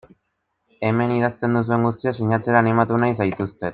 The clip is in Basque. Hemen idazten duzuen guztia sinatzera animatu nahi zaituztet.